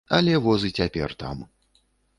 Але воз і цяпер там.